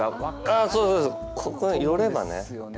あそうそうここ寄ればね。